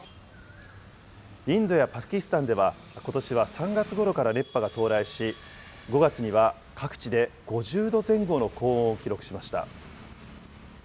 インドやパキスタンでは、ことしは３月ごろから熱波が到来し、５月には各地で５０度前後の高温を記録しました。